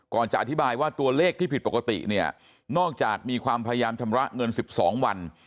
จะอธิบายว่าตัวเลขที่ผิดปกติเนี่ยนอกจากมีความพยายามชำระเงิน๑๒วัน